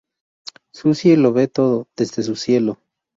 Susie lo ve todo "desde su cielo".